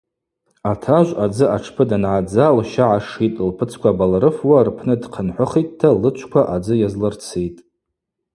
Атажв адзы атшпы дангӏадза лща гӏашитӏ, лпыцква абалрыфуа рпны дхъынхӏвыхитӏта лычвква адзы йазлырцитӏ.